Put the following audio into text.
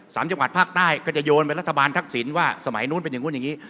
สามจังหวัดภาคใต้ก็จะโยนไปรัฐบาลทักษิณว่าสมัยนู้นเป็นอย่างนู้นอย่างนี้